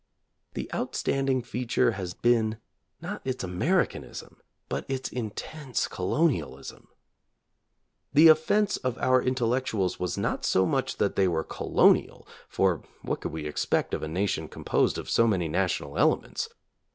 The outstanding feature has been not its Americanism but its intense colonialism. The offense of our intellectuals was not so much that they were colonial — for what could we expect of a nation composed of so many national elements"?